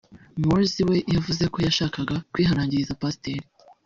Mlauzi we yavuzeko yashakaga kwihanangiriza Pasiteri